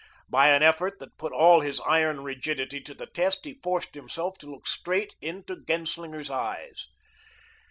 By an effort that put all his iron rigidity to the test, he forced himself to look straight into Genslinger's eyes.